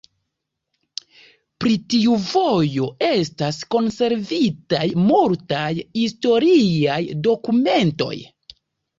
Pri tiu vojo estas konservitaj multaj historiaj dokumentoj.